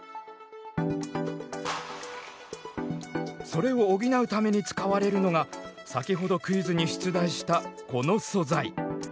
それを補うために使われるのが先ほどクイズに出題したこの素材。